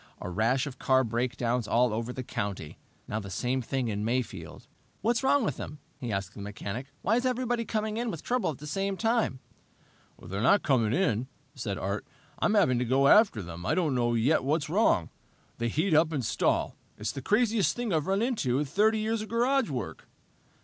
A rash of car breakdowns all over the country. Now, the same thing in Mayfield! "What's wrong with them?" he asked the mechanic. "Why is everybody coming in with trouble at the same time?" "They're not coming in," said Art. "I'm having to go out after them. I don't know yet what's wrong. They heat up and stall. It's the craziest thing I've run into in 30 years of garage work."